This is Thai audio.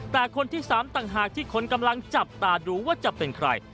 แต่คนที่๓ต่างหากที่คนกำลังจับตาดูว่าจะเป็นใคร